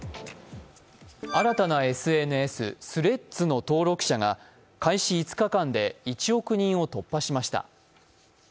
新たなＳＮＳ・Ｔｈｒｅａｄｓの登録者が開始５日間で１億人を突破しました。